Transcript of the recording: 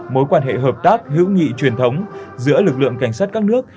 mối quan hệ hợp tác hữu nghị truyền thống giữa lực lượng cảnh sát các nước